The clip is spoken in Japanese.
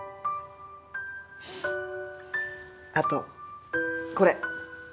あとこれ。